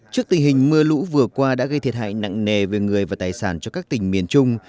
trước tình hình mưa lũ vừa qua đã gây thiệt hại nặng nề về người và tài sản cho các tỉnh miền trung